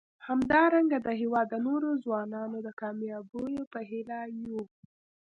همدارنګه د هیواد د نورو ځوانانو د کامیابیو په هیله یو.